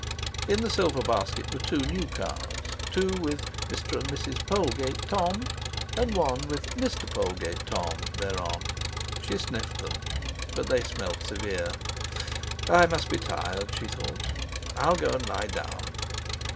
In the silver basket were new cards, two with "Mr. and Mrs. Polegate Thom," and one with "Mr. Polegate Thom" thereon; she sniffed them, but they smelled severe. "I must be tired," she thought, "I'll go and lie down."